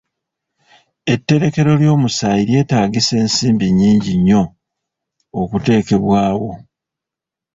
Etterekero ly'omusaayi lyetaagisa ensimbi nnyingi nnyo okuteekebwawo.